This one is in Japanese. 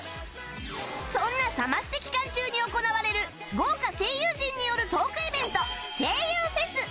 そんなサマステ期間中に行われる豪華声優陣によるトークイベント声優フェス